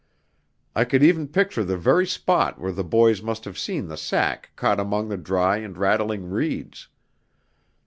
I could even picture the very spot where the boys must have seen the sack caught among the dry and rattling reeds.